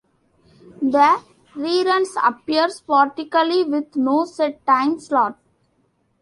The reruns appear sporadically, with no set time slot.